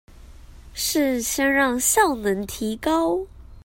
是先讓效能提高